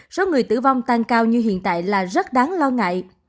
số người tử vong tăng cao như hiện tại là rất đáng lo ngại